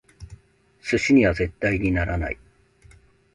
寿司には絶対にならない！